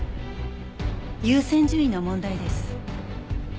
優先順位の問題です。